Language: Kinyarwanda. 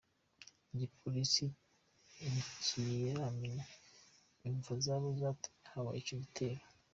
Igipolisi ntikiramenya imvo zoba zatumye haba ico gitero.